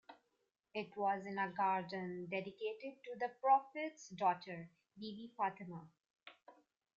It was in a garden dedicated to the Prophets' daughter, Bibi Fatimah.